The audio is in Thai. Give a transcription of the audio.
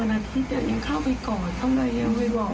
เราก็แบบเข้าไปกอดแปลว่าอะไรเขา